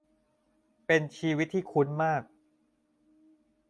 เป็นชีวิตที่คุ้นมาก